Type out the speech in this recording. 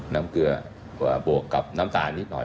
เกลือบวกกับน้ำตาลนิดหน่อย